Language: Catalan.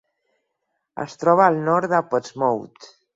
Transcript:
Es troba al nord de Portsmouth.